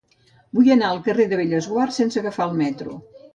Vull anar al carrer de Bellesguard sense agafar el metro.